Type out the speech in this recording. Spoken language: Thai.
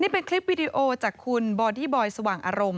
เป็นคลิปวิดีโอจากคุณบอดี้บอยสว่างอารมณ์